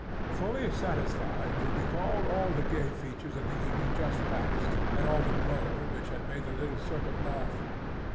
Fully satisfied, he recalled all the gay features of the evening just passed and all the mots which had made the little circle laugh.